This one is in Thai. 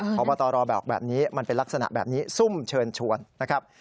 พบตรบอกแบบนี้มันเป็นลักษณะแบบนี้ซุ่มเชิญชวนนะครับ